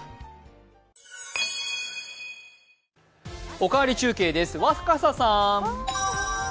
「おかわり中継」です、若狭さん。